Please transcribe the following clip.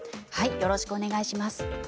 よろしくお願いします。